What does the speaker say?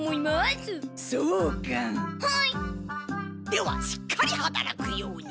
ではしっかりはたらくように。